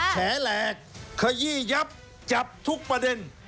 แฉแหลกขยี้ยับจับทุกประเด็น